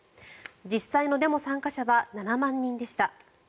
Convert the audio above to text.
実際のデモ参加者は７万人でした。